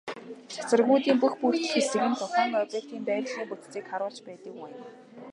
Цацрагуудын бүх бүрдэл хэсэг нь тухайн объектын байрлалын бүтцийг харуулж байдаг байна.